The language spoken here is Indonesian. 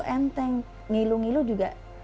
enteng ngilu ngilu juga